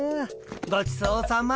ごちそうさま。